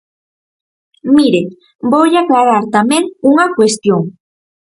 Mire, voulle aclarar tamén unha cuestión.